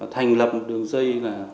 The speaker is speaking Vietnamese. thành lập đường dây